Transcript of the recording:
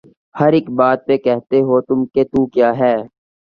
ہر ایک بات پہ کہتے ہو تم کہ تو کیا ہے